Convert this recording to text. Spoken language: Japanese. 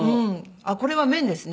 あっこれは麺ですね。